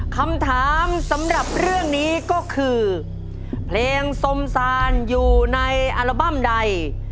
คำถามสำหรับเรื่องนี้ก็คือเพลงสมซานอยู่ในอัลบั้มใด